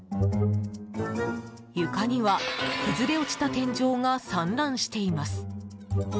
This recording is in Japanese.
床には崩れ落ちた天井が散乱しています。